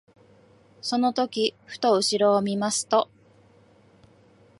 その時ふと後ろを見ますと、